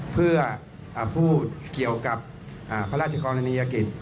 เพื่อพูดเกี่ยวกับพระราชกรณียกิจ